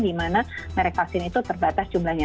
di mana merek vaksin itu terbatas jumlahnya